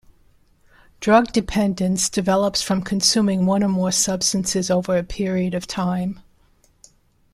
Drug dependence develops from consuming one or more substances over a period of time.